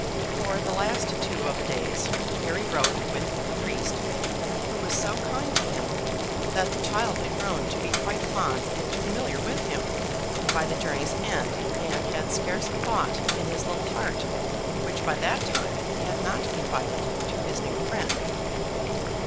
For the last two of the days Harry rode with the priest, who was so kind to him, that the child had grown to be quite fond and familiar with him by the journey's end, and had scarce a thought in his little heart which by that time he had not confided to his new friend.